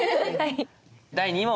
第２問！